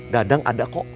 dadang ada kok